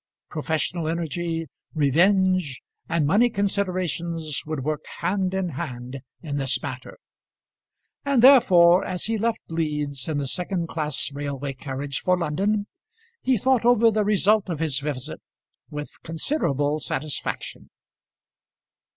Professional energy, revenge, and money considerations would work hand in hand in this matter; and therefore, as he left Leeds in the second class railway carriage for London, he thought over the result of his visit with considerable satisfaction.